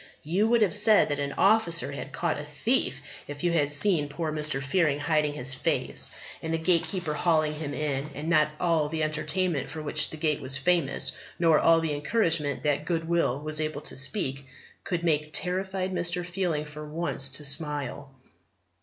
You would have said that an officer had caught a thief if you had seen poor Mr. Fearing hiding his face, and the Gatekeeper hauling him in. And not all the entertainment for which the Gate was famous, nor all the encouragement that Goodwill was able to speak, could make terrified Mr. Fearing for once to smile.